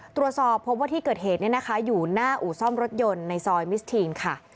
ตรวจสอบพบว่าที่เกิดเหตุเนี่ยนะคะอยู่หน้าอู่ซ่อมรถยนต์ในซอยมิสทีนค่ะ